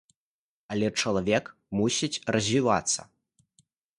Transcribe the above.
Але чалавек мусіць развівацца.